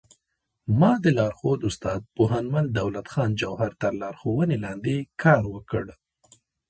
ما د لارښود استاد پوهنمل دولت خان جوهر تر لارښوونې لاندې کار وکړ